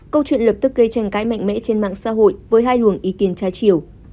câu chuyện lập tức gây tranh cãi mạnh mẽ trên mạng xã hội với hai luồng ý kiến trái chiều